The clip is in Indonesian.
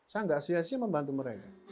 saya nggak sia sia membantu mereka